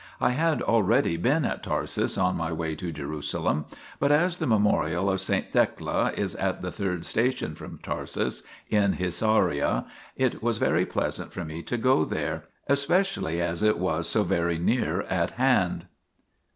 I had already been at Tarsus on my way to Jerusalem, but as the memorial of saint Thecla is at the third station from Tarsus, in Hisauria, it was very pleasant for me to go there, especially as it was so very near at hand 1 i.